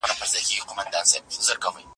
سړی په خپلو سترګو کې د یو ډول پټ خپګان نښې لرلې.